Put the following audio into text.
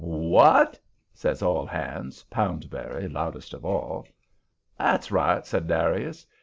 "WHAT?" says all hands, Poundberry loudest of all. "That's right," said Darius.